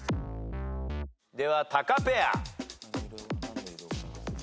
ではタカペア。